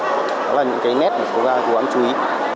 đó là những cái nét mà cô gái chú ý